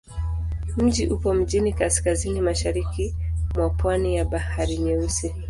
Mji upo mjini kaskazini-mashariki mwa pwani ya Bahari Nyeusi.